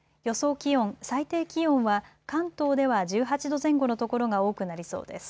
気温、最低気温は関東では１８度前後の所が多くなりそうです。